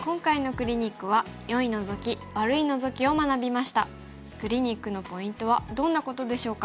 クリニックのポイントはどんなことでしょうか。